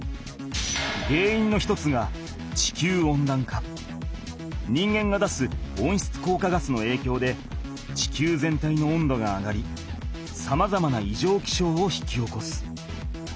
げんいんの一つが人間が出すおんしつこうかガスのえいきょうで地球全体の温度が上がりさまざまないじょうきしょうを引き起こす。